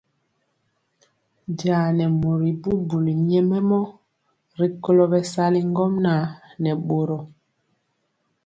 Jaa nɛ mori bubuli nyɛmemɔ rikolo bɛsali ŋgomnaŋ nɛ boro.